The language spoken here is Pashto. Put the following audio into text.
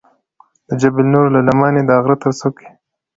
د جبل نور له لمنې د غره تر څوکې.